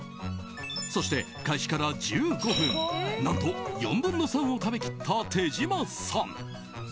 そして開始から１５分何と４分の３を食べ切った手島さん。